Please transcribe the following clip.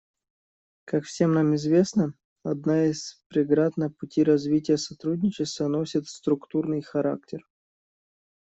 Как всем нам известно, одна из преград на пути развития сотрудничества носит структурный характер.